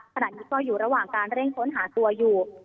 ขณะนี้ก็อยู่ระหว่างการเร่งค้นหาตัวอยู่